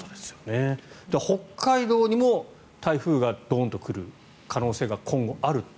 北海道にも台風がドーンと来る可能性が今後あると。